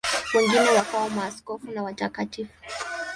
Wengine wakawa maaskofu na watakatifu.